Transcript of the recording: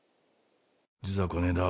実はこねえだ